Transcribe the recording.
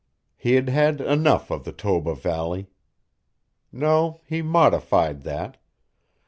He had had enough of the Toba Valley. No, he modified that.